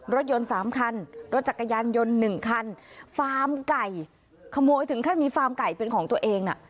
รถยนต์สามคันรถจักรยานยนต์หนึ่งคันฟาร์มไก่ขโมยถึงขั้นมีฟาร์มไก่เป็นของตัวเองน่ะ